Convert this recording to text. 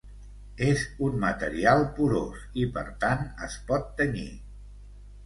És un material porós i, per tant, es pot tenyir.